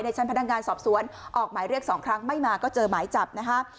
ชั้นพนักงานสอบสวนออกหมายเรียก๒ครั้งไม่มาก็เจอหมายจับนะคะ